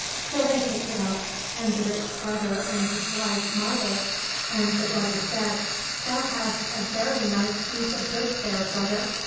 So they picked it up, and the rich brother and his wife marvelled, and the brother said, " Thou hast a very nice piece of goods there, brother.